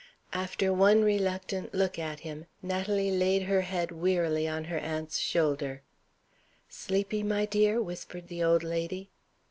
After one reluctant look at him, Natalie laid her head wearily on her aunt's shoulder. "Sleepy, my dear?" whispered the old lady.